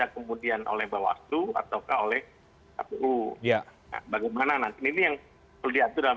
membuat sk nya adalah